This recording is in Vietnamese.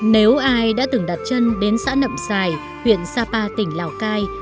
nếu ai đã từng đặt chân đến xã nậm xài huyện sapa tỉnh lào cai